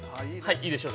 いいでしょう。